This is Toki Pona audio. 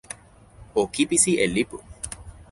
o kipisi e lipu.